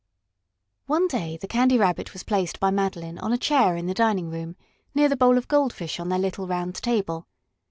One day the Candy Rabbit was placed by Madeline on a chair in the dining room, near the bowl of goldfish on their little round table.